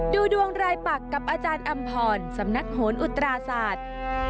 ดูดวงรายปักกับอาจารย์อำพรสำนักโหนอุตราศาสตร์